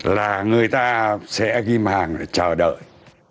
là người ta sẽ ghim hàng để chờ đợi